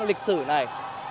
lịch sử này